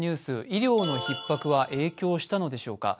医療のひっ迫は影響したのでしょうか。